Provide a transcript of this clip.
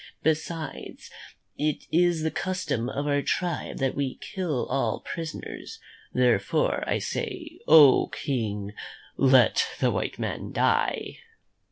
Besides, it is the custom of our tribe that we kill all prisoners. Therefore, I say, oh, King, let the white man die."